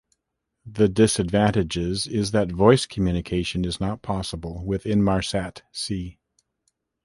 The disavantages is that voice communication is not possible with Inmarsat-C.